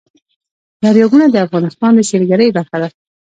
دریابونه د افغانستان د سیلګرۍ برخه ده.